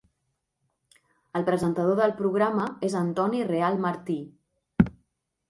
El presentador del programa és Antoni Real Martí.